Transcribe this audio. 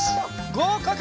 ごうかく！